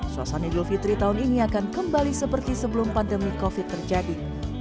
suasana idul fitri tahun ini akan kembali seperti sebelum pandemi covid terjadi